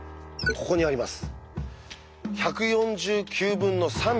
ここにあります。